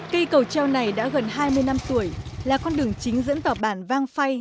cây cầu treo này đã gần hai mươi năm tuổi là con đường chính dẫn vào bản vang phay